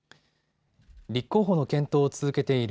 立候補の検討を続けている